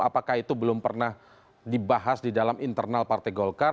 apakah itu belum pernah dibahas di dalam internal partai golkar